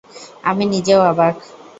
আমি নিজেও অবাক।